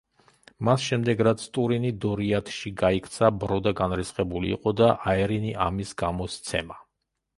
მას შემდეგ, რაც ტურინი დორიათში გაიქცა, ბროდა განრისხებული იყო და აერინი ამის გამო სცემა.